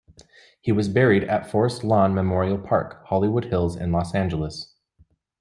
He was buried at Forest Lawn Memorial Park, Hollywood Hills, in Los Angeles.